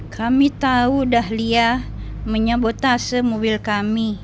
kami tahu dahlia menyabotase mobil kami